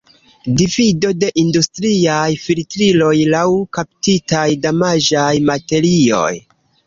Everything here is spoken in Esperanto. Divido de industriaj filtriloj laŭ kaptitaj damaĝaj materioj.